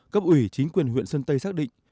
cấp ủy chính quyền huyện sơn tây xác định